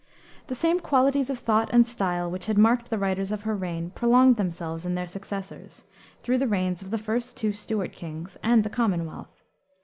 The same qualities of thought and style which had marked the writers of her reign, prolonged themselves in their successors, through the reigns of the first two Stuart kings and the Commonwealth.